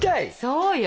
そうよ。